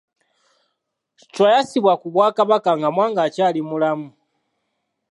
Chwa yassibwa ku Bwakabaka nga Mwanga akyali mulamu.